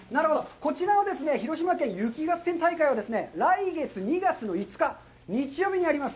こちらはですね、広島県雪合戦大会は、来月２月の５日、日曜日にあります。